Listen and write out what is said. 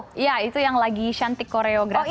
oh iya itu yang lagi cantik koreografi